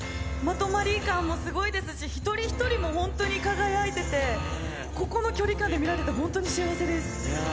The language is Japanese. まとまり感もすごいですし、一人一人も本当に輝いてて、ここの距離感で見られて、本当に幸せです。